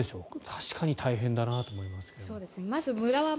確かに大変だなと思いますが。